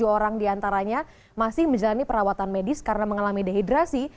tujuh orang diantaranya masih menjalani perawatan medis karena mengalami dehidrasi